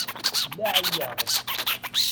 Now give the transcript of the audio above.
Laɛi-yaɣ-d.